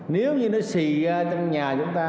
nếu như nó xì ra trong nhà chúng ta